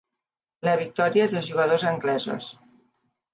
La victòria dels jugadors anglesos.